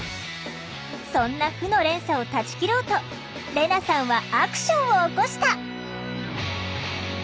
そんな負の連鎖を断ち切ろうとレナさんはアクションを起こした。